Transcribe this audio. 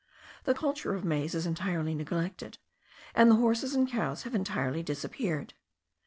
The culture of maize is entirely neglected, and the horses and cows have entirely disappeared.